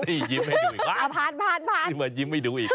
นี่ยิ้มให้ดูอีก